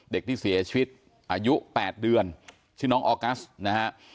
เด็กที่เสียชีวิตอายุ๘เดือนชื่อน้องออกัสนะฮะ